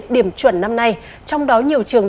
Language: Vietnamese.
điểm chuẩn năm nay trong đó nhiều trường